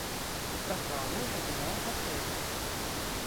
А праграма ўжо была гатова.